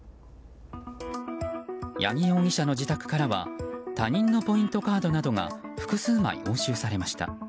八木容疑者の自宅からは他人のポイントカードなどが複数枚押収されました。